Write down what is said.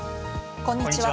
こんにちは。